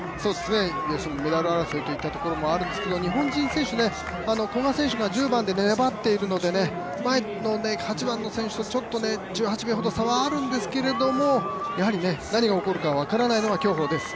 要するにメダル争いといったところもあるんですけど日本人選手、古賀選手が１０番で粘っているので前の８番の選手と１８秒ほど差はあるんですけどやはり何が起こるか分からないのが競歩です。